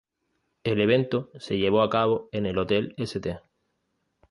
El evento se llevó a cabo en el Hotel St.